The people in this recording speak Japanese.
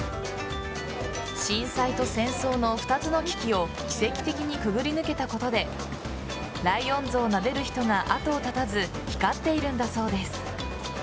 震災と戦争の２つの危機を奇跡的に潜り抜けたことでライオン像をなでる人が後を絶たず光っているんだそうです。